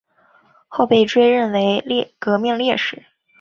后被追认为革命烈士。